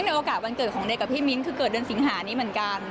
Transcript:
ในโอกาสวันเกิดของเด็กกับพี่มิ้นท์คือเกิดเดือนสิงหานี้เหมือนกัน